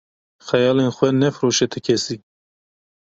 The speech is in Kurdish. Xeyalên xwe nefiroşe ti kesî.